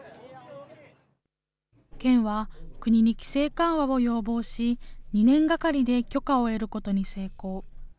県は国に規制緩和を要望し、２年がかりで許可を得ることに成功。